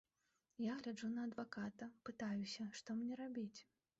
Я гляджу на адваката, пытаюся, што мне рабіць?